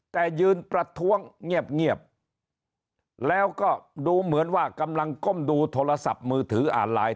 แต่ยืนประท้วงเงียบแล้วก็ดูเหมือนว่ากำลังก้มดูโทรศัพท์มือถืออ่านไลน์